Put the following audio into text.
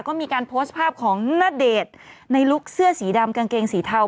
ก็มีการโพสต์ภาพของณเดชน์ในลุคเสื้อสีดำกางเกงสีเทา